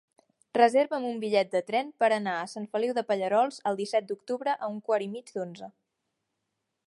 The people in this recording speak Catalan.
Reserva'm un bitllet de tren per anar a Sant Feliu de Pallerols el disset d'octubre a un quart i mig d'onze.